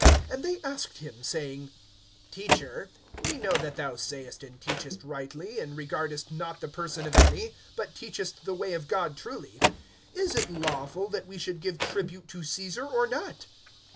(21)And they asked him, saying: Teacher, we know that thou sayest and teachest rightly, and regardest not the person of any, but teachest the way of God truly. (22)Is it lawful that we should give tribute to Caesar, or not?